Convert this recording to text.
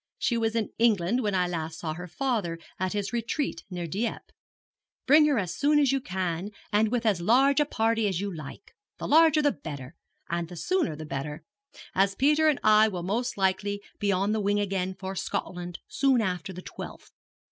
She was in England when I last saw her father at his retreat near Dieppe. Bring her as soon as you can, and with as large a party as you like the larger the better, and the sooner the better as Peter and I will most likely be on the wing again for Scotland soon after the twelfth.